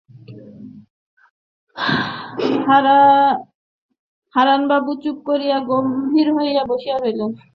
হারানবাবু চুপ করিয়া গম্ভীর হইয়া বসিয়া রহিলেন।